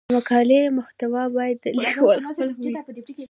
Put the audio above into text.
د مقالې محتوا باید د لیکوال خپل وي.